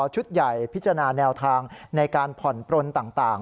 ชุดใหญ่พิจารณาแนวทางในการผ่อนปลนต่าง